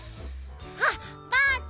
あっバース。